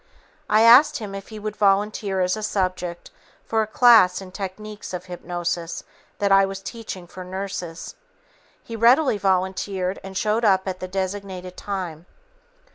I asked him if he would volunteer as a subject for a class in techniques of hypnosis that I was teaching for nurses. He readily volunteered and showed up at the designated time.